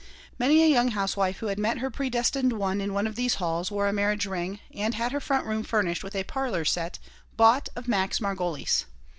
Many a young housewife who had met her "predestined one" in one of these halls wore a marriage ring, and had her front room furnished with a "parlor set," bought of Max Margolis.